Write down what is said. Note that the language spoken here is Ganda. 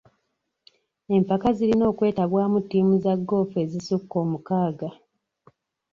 Empaka zirina okwetabwamu ttiimu za goofu ezisukka omukaaga.